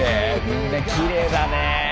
みんなきれいだねぇ。